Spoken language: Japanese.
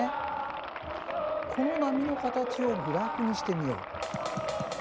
この波の形をグラフにしてみよう。